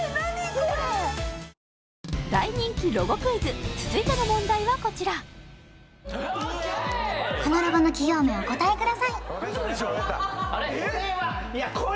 これ大人気ロゴクイズ続いての問題はこちらこのロゴの企業名をお答えください・あれ？